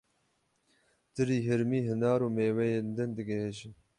Tirî, hirmî, hinar û mêweyên din digihêjin.